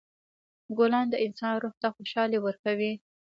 ګلان د انسان روح ته خوشحالي ورکوي.